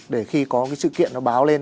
để khi có cái sự kiện nó báo lên